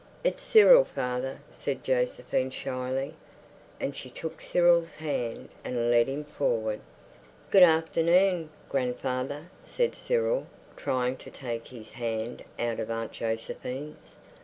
"It's Cyril, father," said Josephine shyly. And she took Cyril's hand and led him forward. "Good afternoon, grandfather," said Cyril, trying to take his hand out of Aunt Josephine's.